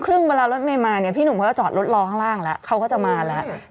เวลารถเมย์มาเนี่ยพี่หนุ่มเขาจะจอดรถรอข้างล่างแล้วเขาก็จะมาแล้ว